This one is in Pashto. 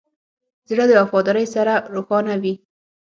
زړه د وفادارۍ سره روښانه وي.